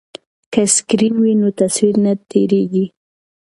که سکرین وي نو تصویر نه تیریږي.